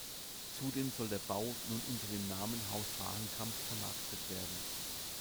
Zudem soll der Bau nun unter dem Namen „Haus Fahrenkamp“ vermarktet werden.